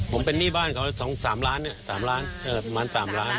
ห้าร้านผมเป็นหนี้บ้านเขาสองสามล้านเนี้ยสามล้านอ่าประมาณสามล้าน